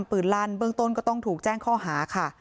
ลั่นเบื้องต้นก็ต้องถูกแจ้งข้อหาค่ะ